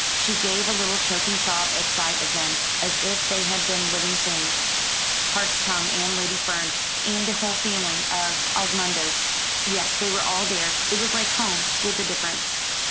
She gave a little choking sob at sight of them, as if they had been living things. Hart's tongue, and lady fern, and the whole family of osmundas. Yes; they were all there. It was like home with a difference.